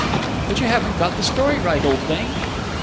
"But you haven't got the story right, old thing!"